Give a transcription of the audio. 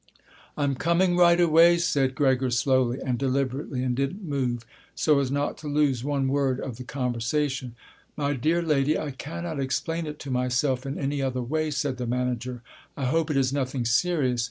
"I'm coming right away," said Gregor slowly and deliberately and didn't move, so as not to lose one word of the conversation. "My dear lady, I cannot explain it to myself in any other way," said the manager; "I hope it is nothing serious.